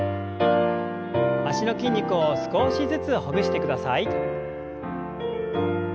脚の筋肉を少しずつほぐしてください。